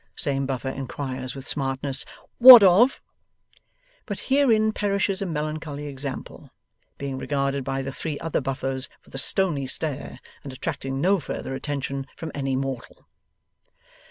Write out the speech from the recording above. Same Buffer inquires with smartness, 'What of?' But herein perishes a melancholy example; being regarded by the three other Buffers with a stony stare, and attracting no further attention from any mortal.